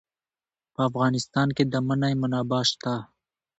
په افغانستان کې د منی منابع شته.